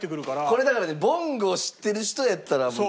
これだからねぼんごを知ってる人やったら。